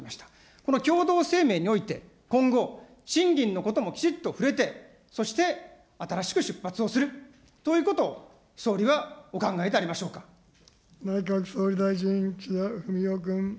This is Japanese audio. この共同声明において、今後、賃金のこともきちっと触れて、そして新しく出発をするということを、内閣総理大臣、岸田文雄君。